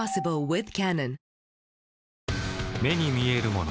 目に見えるもの